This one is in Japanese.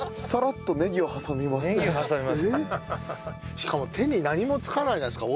しかも手に何もつかないじゃないですか。